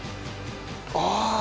ああ！